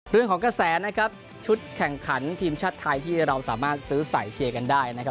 เรื่องของกระแสนะครับชุดแข่งขันทีมชาติไทยที่เราสามารถซื้อสายเชียร์กันได้นะครับ